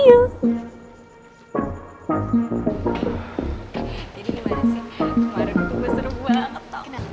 kemarin gue seru banget tau